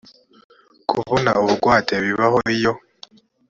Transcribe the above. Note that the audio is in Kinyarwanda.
kubona ubugwate bibaho iyo